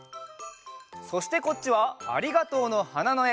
そしてこっちは「ありがとうの花」のえ。